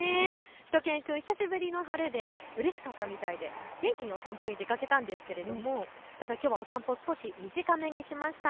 しゅと犬くん、久しぶりの晴れでうれしかったみたいで元気にお散歩に出かけたんですけれどもただきょうはお散歩、少し短めにしました。